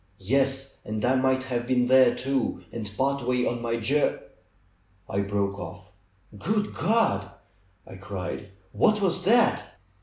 ^^Yes! And I might have been there, too, and part way on my jour " I broke off. ^^Good God!" I cried. ^'What was that!"